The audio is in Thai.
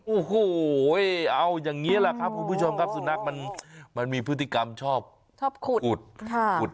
โอ้โหเอาอย่างนี้แหละครับคุณผู้ชมครับสุนัขมันมีพฤติกรรมชอบขุดขุด